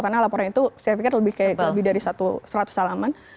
karena laporan itu saya pikir lebih dari seratus salaman